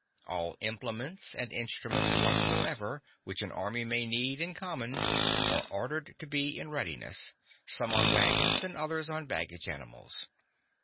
(2) All implements and instruments whatsoever, which an army may need in common, are ordered to be in readiness, (3) some on waggons and others on baggage animals.